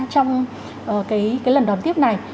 trong cái lần đón tiếp này